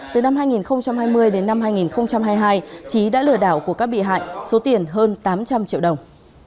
từ năm hai nghìn hai mươi đến năm hai nghìn hai mươi hai trí đã lừa đảo của các bị hại số tiền hơn tám trăm linh triệu đồng